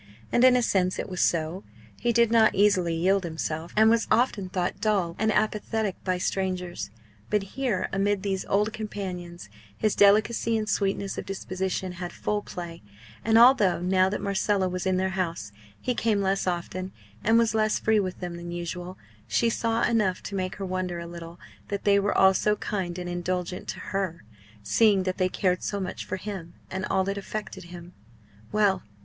And in a sense it was so. He did not easily yield himself; and was often thought dull and apathetic by strangers. But here, amid these old companions, his delicacy and sweetness of disposition had full play; and although, now that Marcella was in their house, he came less often, and was less free with them than usual, she saw enough to make her wonder a little that they were all so kind and indulgent to her, seeing that they cared so much for him and all that affected him. Well!